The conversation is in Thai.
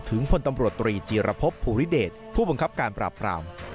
พลตำรวจตรีจีรพบภูริเดชผู้บังคับการปราบราม